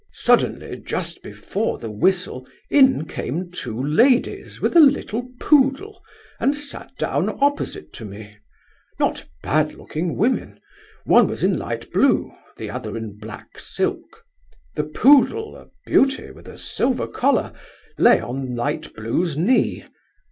"Suddenly, just before the whistle, in came two ladies with a little poodle, and sat down opposite to me; not bad looking women; one was in light blue, the other in black silk. The poodle, a beauty with a silver collar, lay on light blue's knee.